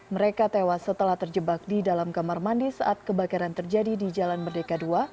mereka tewas setelah terjebak di dalam kamar mandi saat kebakaran terjadi di jalan merdeka dua